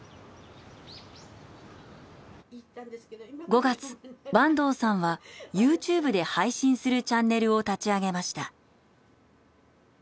５月坂東さんはＹｏｕＴｕｂｅで配信するチャンネルを立ち上げました。